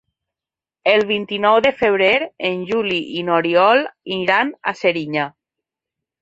El vint-i-nou de febrer en Juli i n'Oriol iran a Serinyà.